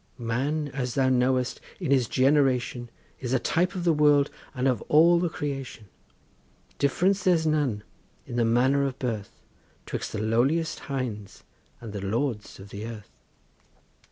Man as thou knowest, in his generation Is a type of the world and of all the creation; Difference there's none in the manner of birth 'Twixt the lowliest hinds and the lords of the earth.